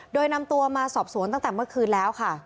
โดยนำตัวมาสอบสวนตั้งแต่เมื่อคืนแล้วค่ะ